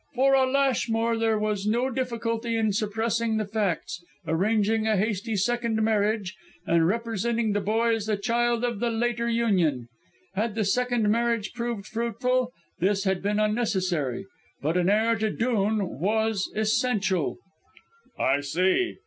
"For a Lashmore, there was no difficulty in suppressing the facts, arranging a hasty second marriage and representing the boy as the child of the later union. Had the second marriage proved fruitful, this had been unnecessary; but an heir to Dhoon was essential." "I see.